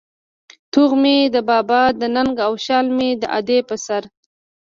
توغ مې د بابا د ننگ او شال مې د ادې په سر